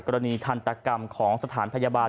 ทันตกรรมของสถานพยาบาล